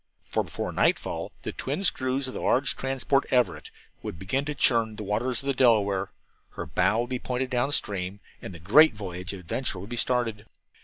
For before nightfall the twin screws of the large transport Everett would begin to churn the waters of the Delaware, her bow would be pointed down stream, and the great voyage of adventure would be started.